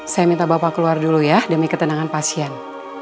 saya minta bapak keluar dulu ya demi ketenangan pasien